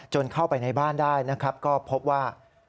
เข้าไปในบ้านได้นะครับก็พบว่า